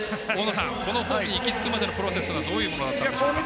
このフォームにいきつくまでのプロセスはどういうことがあったんでしょうか。